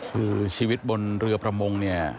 คือชีวิตบนเรือประมงเนี่ย